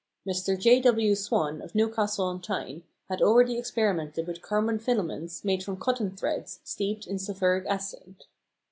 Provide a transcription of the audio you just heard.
Mr. J. W. Swan of Newcastle on Tyne had already experimented with carbon filaments made from cotton threads steeped in sulphuric acid.